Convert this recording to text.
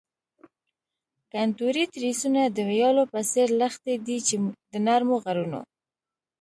کنتوري تریسونه د ویالو په څیر لښتې دي چې د نرمو غرونو.